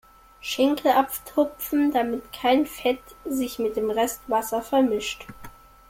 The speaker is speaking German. Schenkel abtupfen, damit kein Fett sich mit dem Rest Wasser vermischt.